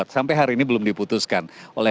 sampai hari ini belum diputuskan oleh